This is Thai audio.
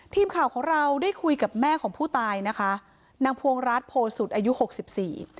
ทีมข่าวของเราได้คุยกับแม่ของผู้ตายนะคะนางพวงรัฐโพสุทธิอายุหกสิบสี่